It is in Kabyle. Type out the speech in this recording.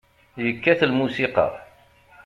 Yekkat lmusiqa.